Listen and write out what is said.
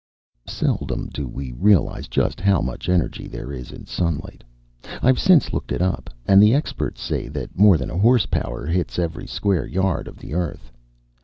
SELDOM do we realize just how much energy there is in sunlight IVe since looked it up, and the experts say that more than a horsepower hits every square yard of the Earth.